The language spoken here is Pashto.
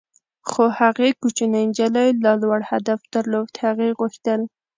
خو هغې کوچنۍ نجلۍ لا لوړ هدف درلود - هغې غوښتل.